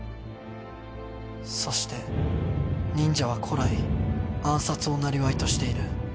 そして忍者は古来暗殺をなりわいとしている。